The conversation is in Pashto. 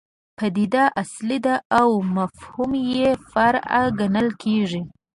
پدیده اصل ده او مفهوم یې فرع ګڼل کېږي.